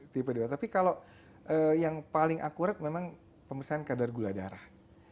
tapi kalau yang paling akurat memang pemersaian kadar gula darah